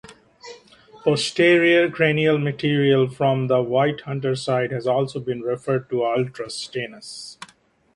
Posterior cranial material from the White Hunter Site has also been referred to "Ultrastenos".